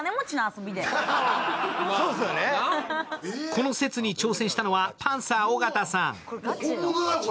この説に挑戦したのはパンサー・尾形さん。